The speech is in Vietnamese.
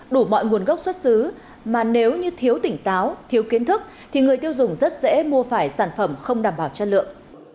đủ mọi nguồn gốc xuất xứ mà nếu như thiếu tỉnh táo thiếu kiến thức thì người tiêu dùng rất dễ mua phải sản phẩm không đảm bảo chất lượng